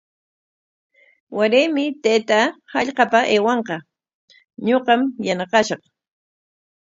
Waraymi taytaa hallqapa aywanqa, ñuqam yanaqashaq.